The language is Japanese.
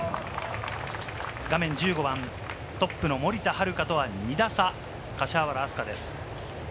画面１５番、トップの森田遥とは２打差、柏原明日架です。